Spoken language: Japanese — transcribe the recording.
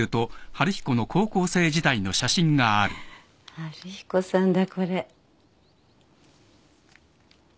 春彦さんだこれ。